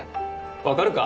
分かるか？